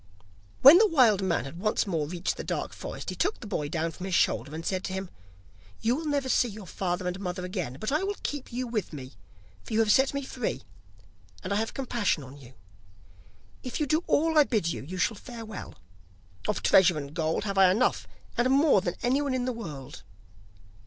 When the wild man had once more reached the dark forest, he took the boy down from his shoulder, and said to him: 'You will never see your father and mother again, but I will keep you with me, for you have set me free, and I have compassion on you. If you do all I bid you, you shall fare well. Of treasure and gold have I enough, and more than anyone in the world.